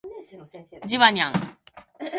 ジバニャン